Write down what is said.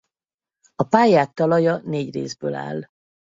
A pályák talaja négy részből áll.